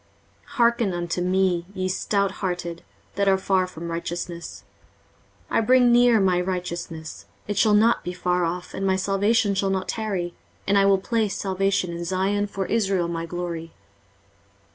23:046:012 Hearken unto me, ye stouthearted, that are far from righteousness: 23:046:013 I bring near my righteousness; it shall not be far off, and my salvation shall not tarry: and I will place salvation in Zion for Israel my glory.